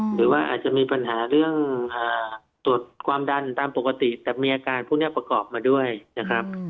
หรือว่าอาจจะมีปัญหาเรื่องตรวจความดันตามปกติแต่มีอาการพวกนี้ประกอบมาด้วยนะครับ